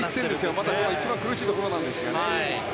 またここが一番苦しいところなんですがね。